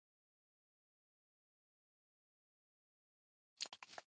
افغانستان د واوره په اړه مشهور تاریخی روایتونه لري.